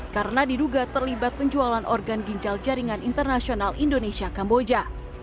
karena diduga terlibat penjualan organ ginjal jaringan internasional indonesia kamboja